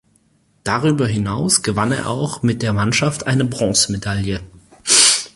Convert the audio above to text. Darüber hinaus gewann er auch mit der Mannschaft eine Bronzemedaille.